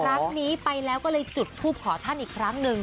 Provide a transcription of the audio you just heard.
ครั้งนี้ไปแล้วก็เลยจุดทูปขอท่านอีกครั้งหนึ่ง